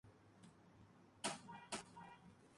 El libro se vendió bien, pero apenas le produjo beneficios.